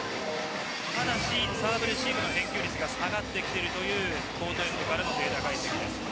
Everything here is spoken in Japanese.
ただしサーブレシーブの返球率が下がってきているというデータ解析です。